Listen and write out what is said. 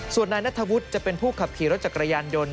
ส่วนนายนัทธวุฒิจะเป็นผู้ขับขี่รถจักรยานยนต์